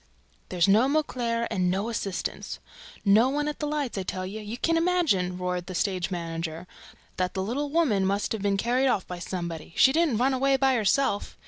"There's no Mauclair and no assistants! No one at the lights, I tell you! You can imagine," roared the stage manager, "that that little girl must have been carried off by somebody else: she didn't run away by herself!